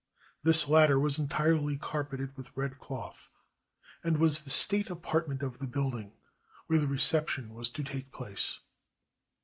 This latter was entirely carpeted with red cloth, and was the state apartment of the building where the reception was to take place.